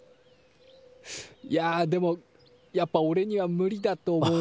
いやでもやっぱおれには無理だと思うんだよね。